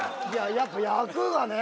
いややっぱ役がね